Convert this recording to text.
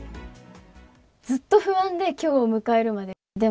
ずっと不安で、きょうを迎えるまで。